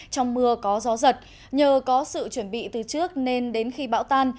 trong mưa có gió giật nhờ có sự chuẩn bị từ trước nên đến khi bão tan